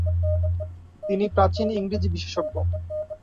তিনি প্রাচীন ইংরেজি-বিশেষজ্ঞ।